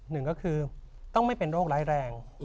หนึ่งก็คือต้องไม่เป็นโรคร้ายแรง